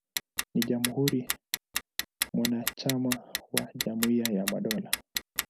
Ni jamhuri mwanachama wa Jumuiya ya Madola.